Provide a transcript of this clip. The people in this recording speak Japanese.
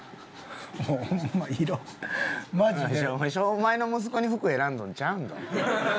お前の息子に服選んどるんちゃうんよ？